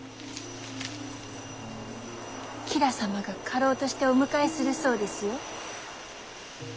吉良様が家老としてお迎えするそうですよ。